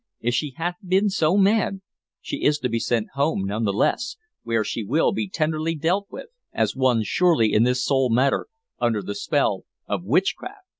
If she hath been so mad, she is to be sent home none the less, where she will be tenderly dealt with as one surely in this sole matter under the spell of witchcraft.